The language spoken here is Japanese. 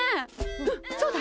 うんそうだ